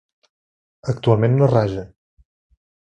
Actualment no raja.